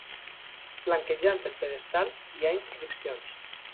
Flanquejant el pedestal hi ha inscripcions.